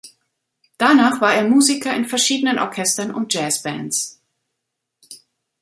Danach war er Musiker in verschiedenen Orchestern und Jazzbands.